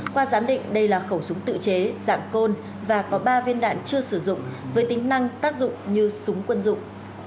qua giám định đây là khẩu súng tự chế dạng côn và có ba viên đạn chưa sử dụng với tính năng tác dụng như súng quân dụng